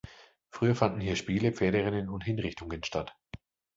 Früher fanden hier Spiele, Pferderennen und Hinrichtungen statt.